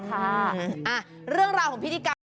ค่ะเรื่องราวของพิธีกรรม